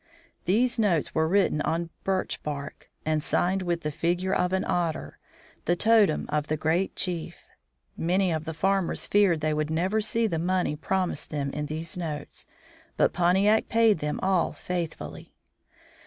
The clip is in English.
These notes were written on birch bark, and signed with the figure of an otter, the totem of the great chief. Many of the farmers feared they would never see the money promised them in these notes, but Pontiac paid them all faithfully.